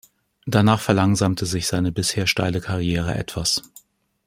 Danach verlangsamte sich seine bisher steile Karriere etwas.